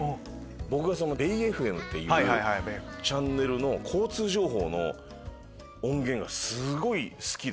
僕がＢＡＹＦＭっていうチャンネルの交通情報の音源がすごい好きで。